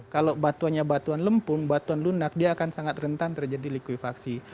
kalau batuannya batuan lempun batuan lunak dia akan sangat rentan terjadi likuifaksi